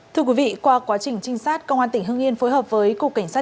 thưa quý vị qua quá trình trinh sát công an tỉnh hưng yên phối hợp với cục cảnh sát